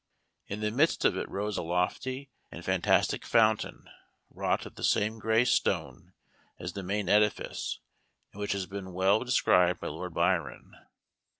In the midst of it rose a lofty and fantastic fountain, wrought of the same gray stone as the main edifice, and which has been well described by Lord Byron.